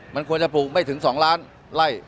มันควรจะปลูกไม่ถึง๒ล้านไล่